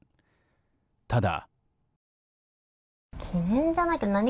ただ。